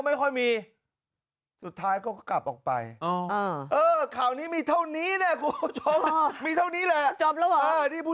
ไม่เป็นไรครับ